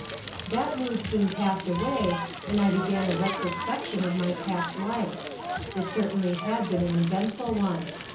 That mood soon passed away, and I began a retrospection of my past life. It certainly had been an eventful one.